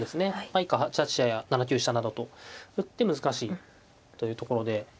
以下８八飛車や７九飛車などと打って難しいというところで。